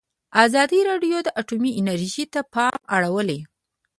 ازادي راډیو د اټومي انرژي ته پام اړولی.